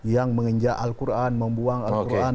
yang menginjak al quran membuang al quran